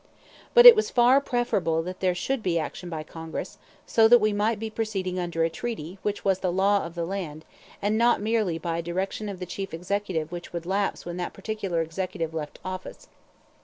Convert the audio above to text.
But it was far preferable that there should be action by Congress, so that we might be proceeding under a treaty which was the law of the land and not merely by a direction of the Chief Executive which would lapse when that particular executive left office.